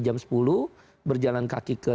jam sepuluh berjalan kaki ke